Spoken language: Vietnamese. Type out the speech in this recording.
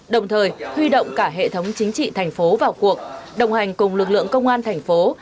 đồng thời huy động cả hệ thống chính trị thành phố vào cuộc đồng hành cùng lực lượng công an thành phố